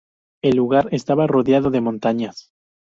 El lugar estaba rodeado de montañas.